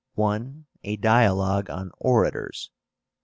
A dialogue on orators.